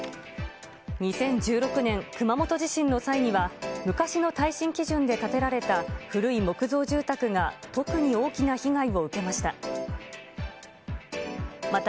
２０１６年、熊本地震の際には昔の耐震基準で建てられた古い木造住宅が特に大きな被害を受けました。